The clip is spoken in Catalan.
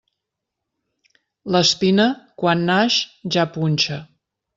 L'espina, quan naix, ja punxa.